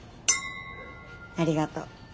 ありがと。